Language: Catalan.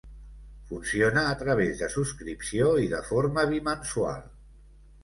Funciona a través de subscripció i de forma bimensual.